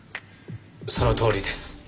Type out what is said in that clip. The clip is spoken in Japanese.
そのとおりです。